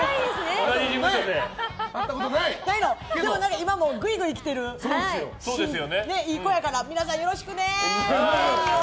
今、グイグイ来てるいい子やから皆さんよろしくね！